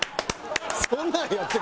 そんなんやってたん？